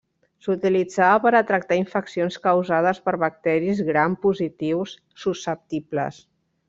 S'utilitzava per a tractar infeccions causades per bacteris gram positius susceptibles.